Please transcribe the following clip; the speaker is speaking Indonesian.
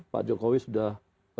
pak jokowi sudah